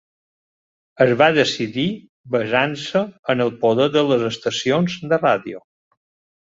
Es va decidir basant-se en el poder de les estacions de ràdio.